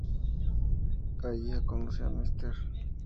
Allí conoció a Mr.